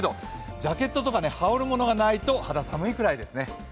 ジャケットとか羽織るものがないと肌寒いくらいですね。